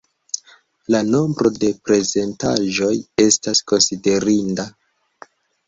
La nombro de prezentaĵoj estas konsiderinda.